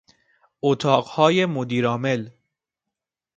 اتاقهای مدیر عامل